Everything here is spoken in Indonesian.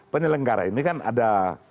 penyelenggara ini kan ada